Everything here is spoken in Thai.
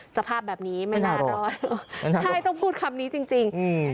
สภาพแบบนี้ไม่น่ารอดใช่ต้องพูดคำนี้จริงจริงอืม